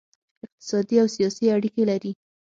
اقتصادي او سیاسي اړیکې لري